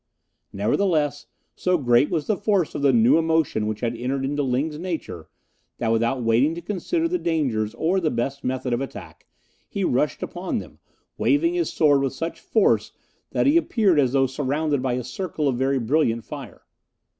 Nevertheless, so great was the force of the new emotion which had entered into Ling's nature that, without waiting to consider the dangers or the best method of attack, he rushed upon them, waving his sword with such force that he appeared as though surrounded by a circle of very brilliant fire.